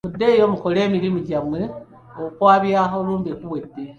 Muddeeyo mukole emirimu gyammwe okwabya olumbe kuwedde.